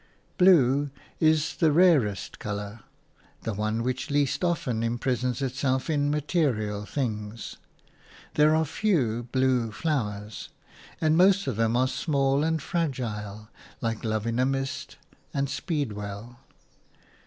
Blue is the rarest colour, the one which least often imprisons itself in material things. There are few blue flowers, and most of them are small and fragile, like love in a mist and speedwell.